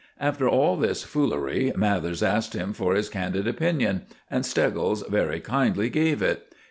After all this foolery Mathers asked him for his candid opinion, and Steggles very kindly gave it.